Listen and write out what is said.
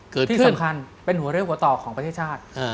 คือที่สำคัญเป็นหัวเรี่ยวหัวต่อของประเทศชาติ